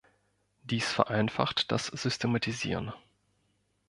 Dies vereinfacht das Systematisieren.